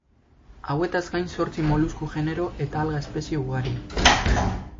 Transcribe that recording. Hauetaz gain zortzi molusku genero eta alga espezie ugari.